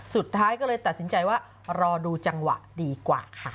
สุดท้ายก็เลยตัดสินใจว่ารอดูจังหวะดีกว่าค่ะ